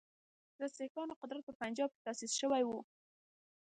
د سیکهانو قدرت په پنجاب کې تاسیس شوی وو.